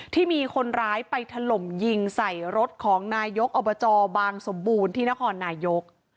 ที่มีคนร้ายไปถล่มยิงใส่รถของนายกอบจบางสมบูรณ์ที่นครนายก